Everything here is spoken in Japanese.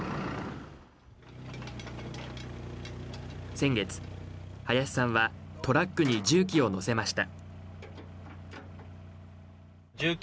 先月、林さんはトラックに重機を載せました。